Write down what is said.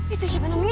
itu siapa namanya